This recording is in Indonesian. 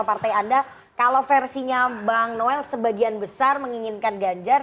partai anda kalau versinya bang noel sebagian besar menginginkan ganjar